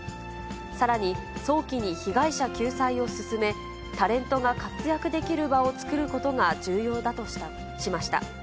さらに、早期に被害者救済を進め、タレントが活躍できる場を作ることが重要だとしました。